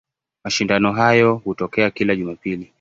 Mashindano hayo hutokea kila Jumapili.